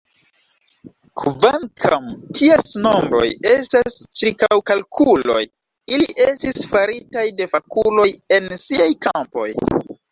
Kvankam ties nombroj estas ĉirkaŭkalkuloj, ili estis faritaj de fakuloj en siaj kampoj.